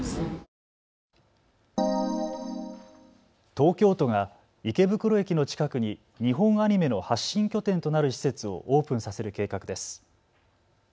東京都が池袋駅の近くに日本アニメの発信拠点となる施設をオープンさせる計画です。